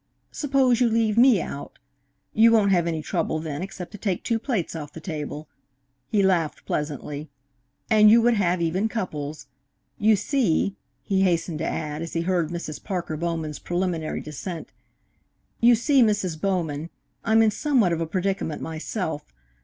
Suppose you leave me out? You won't have any trouble then except to take two plates off the table" he laughed pleasantly "and you would have even couples. You see," he hastened to add, as he heard Mrs. Parker Bowman's preliminary dissent "you see, Mrs. Bowman, I'm in somewhat of a predicament myself.